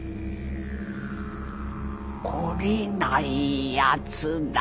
懲りないやつだ。